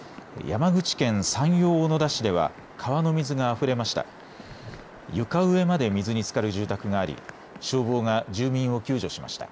山口県山陽小野田市では川の水があふれました。